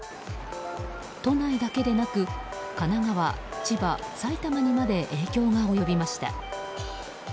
都内だけでなく神奈川、千葉、埼玉にまで影響が及びました。